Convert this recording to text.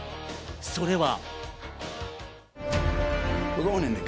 それは。